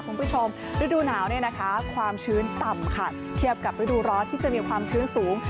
คุณผู้ชมฤดูหนาวเนี่ยนะคะความชื้นต่ำค่ะเทียบกับฤดูร้อนที่จะมีความชื้นสูง